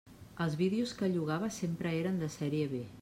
Els vídeos que llogava sempre eren de sèrie B.